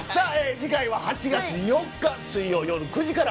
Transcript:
次回は８月４日水曜日の夜９時から